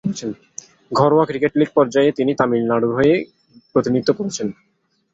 ঘরোয়া cricket league পর্যায়ে তিনি তামিলনাড়ুর হয়ে প্রতিনিধিত্ব করেছেন।